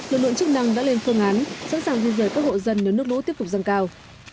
lực lượng chức năng đã lên phương án sẵn sàng di rời các hộ dân nếu nước lũ tiếp tục dâng cao